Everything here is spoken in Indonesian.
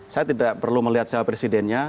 saya tidak perlu melihat siapa presidennya